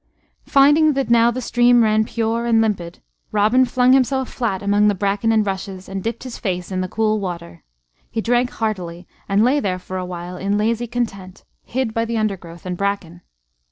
Finding that now the stream ran pure and limpid, Robin flung himself flat among the bracken and rushes, and dipped his face in the cool water. He drank heartily, and lay there for a while in lazy content, hid by the undergrowth and bracken.